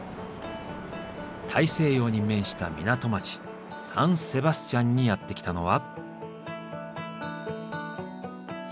大西洋に面した港町サン・セバスチャンにやって来たのは。